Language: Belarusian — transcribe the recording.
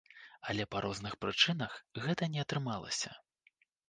Але па розных прычынах гэта не атрымалася.